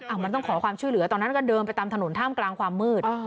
มันต้องขอความช่วยเหลือตอนนั้นก็เดินไปตามถนนท่ามกลางความมืด